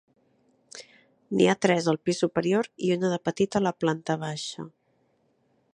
N’hi ha tres al pis superior i una de petita a la planta baixa.